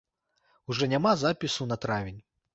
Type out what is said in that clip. Ужо няма запісу на травень!